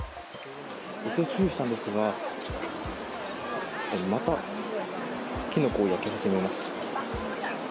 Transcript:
一度注意したんですがまたキノコを焼き始めました。